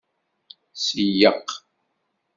Seyyeq!